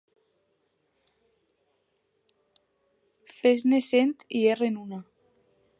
Fes-ne cent i erren una.